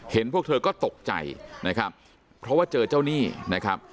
พวกเธอก็ตกใจนะครับเพราะว่าเจอเจ้าหนี้นะครับ